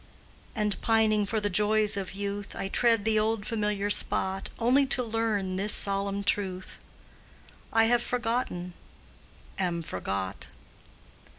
And pining for the joys of youth, I tread the old familiar spot Only to learn this solemn truth: I have forgotten, am forgot.